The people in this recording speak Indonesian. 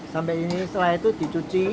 sampai ini setelah itu dicuci